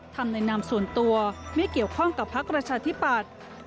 ทำในนามส่วนตัวไม่เกี่ยวข้องกับพักประชาธิปัตย์